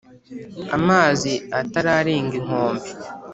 Amazi atararenga inkombe